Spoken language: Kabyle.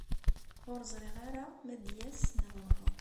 Ur ẓriɣ ara ma ad d-yas neɣ uhu.